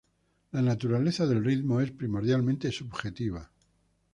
La naturaleza del ritmo es primordialmente subjetiva.